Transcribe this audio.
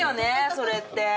それって。